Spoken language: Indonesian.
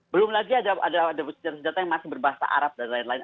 belum lagi ada senjata senjata yang masih berbahasa arab dan lain lain